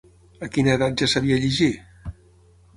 A quina edat ja sabia llegir?